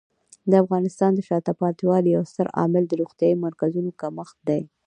د افغانستان د شاته پاتې والي یو ستر عامل د روغتیايي مرکزونو کمښت دی.